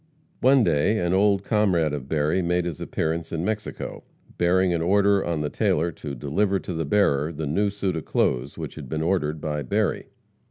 One day, an old comrade of Berry made his appearance in Mexico, bearing an order on the tailor to "deliver to the bearer" the new suit of clothes which had been ordered by Berry.